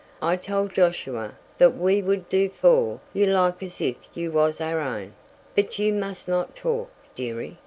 I told Josiah that we would do fer you like as if you was our'n, but you must not talk, dearie.